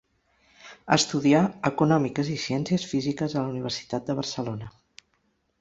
Estudià Econòmiques i Ciències Físiques a la Universitat de Barcelona.